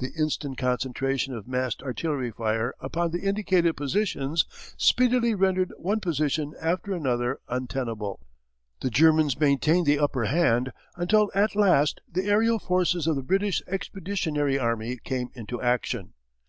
The instant concentration of massed artillery fire upon the indicated positions speedily rendered one position after another untenable. The Germans maintained the upper hand until at last the aerial forces of the British Expeditionary Army came into action.